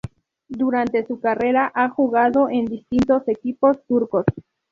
Durante su carrera ha jugado en distintos equipos turcos.